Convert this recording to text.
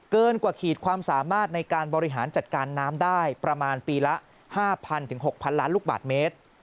เกินกว่าขีดความสามารถในการบริหารจัดการน้ำได้ประมาณปีละ๕๐๐๖๐๐ล้านลูกบาทเมตร